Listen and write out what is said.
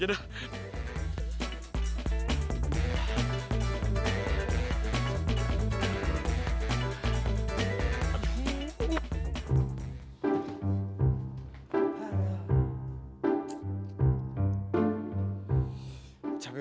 aduh kok gue ditinggalin karin